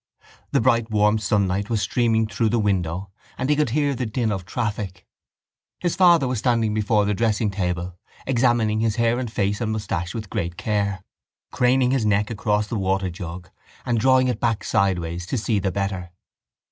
The bright warm sunlight was streaming through the window and he could hear the din of traffic. His father was standing before the dressingtable, examining his hair and face and moustache with great care, craning his neck across the waterjug and drawing it back sideways to see the better.